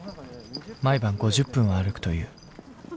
毎晩５０分は歩くという。